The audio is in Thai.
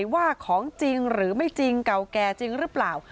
ว่าของจริงหรือไม่จริงเก่าแก่จริงหรือเปล่า